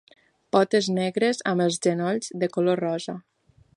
Potes negres amb els genolls de color rosa.